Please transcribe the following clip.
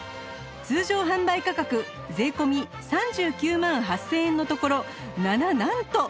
通常販売価格税込３９万８０００円のところなななんと！